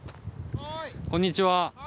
はいこんにちは。